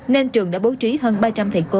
nên trường đã bố trí hơn ba trăm linh thầy cô